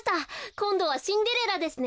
こんどは「シンデレラ」ですね。